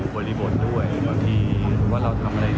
โปรดติดตามตอนต่อไป